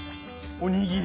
おにぎり。